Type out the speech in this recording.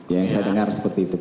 yang saya dengar seperti itu pak